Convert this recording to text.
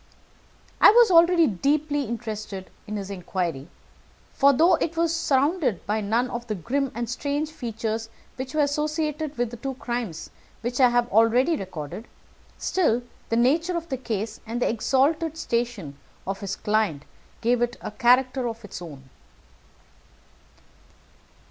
I was already deeply interested in his inquiry, for, though it was surrounded by none of the grim and strange features which were associated with the two crimes which I have already recorded, still, the nature of the case and the exalted station of his client gave it a character of its own.